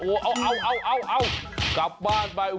โอ้โฮเอากลับบ้านไปโอ้โฮ